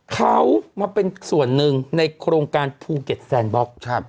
เขามาเป็นส่วนหนึ่งในโครงการภูเก็ตแซนบล็อก